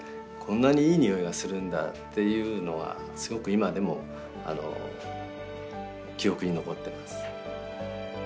こんなにいい匂いがするんだっていうのがすごく今でも記憶に残ってます。